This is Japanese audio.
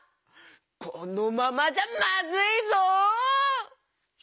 このままじゃまずいぞ！